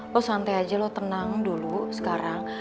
lo santai aja lo tenang dulu sekarang